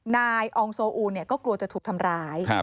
นายอองโซอูเนี่ยก็กลัวจะถูกทำร้าย